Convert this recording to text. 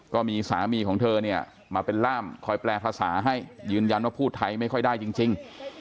ก็มีสามีของเธอเนี่ยมาเป็นร่ามคอยแปลภาษาให้ยืนยันว่าพูดไทยไม่ค่อยได้จริง